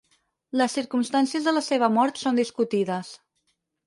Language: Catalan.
Les circumstàncies de la seva mort són discutides.